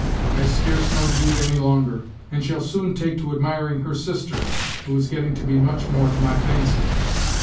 I scarce know Jude any longer, and shall soon take to admiring her sister, who is getting to be much more to my fancy."